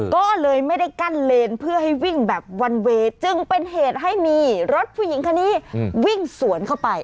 ก็เลยไม่ได้กั้นเลนเพื่อให้วิ่งแบบวันเวย์จึงเป็นเหตุให้มีรถผู้หญิงคนนี้วิ่งสวนเข้าไป